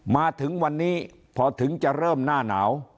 มาถึงวันนี้พอถึงจะเริ่มหน้าหนาว